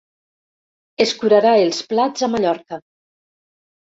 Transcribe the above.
Escurarà els plats a Mallorca.